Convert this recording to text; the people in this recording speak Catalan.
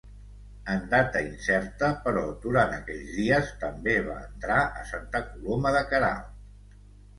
En data incerta, però durant aquells dies, també va entrar a Santa Coloma de Queralt.